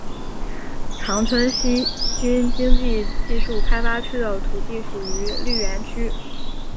长春西新经济技术开发区的土地属于绿园区。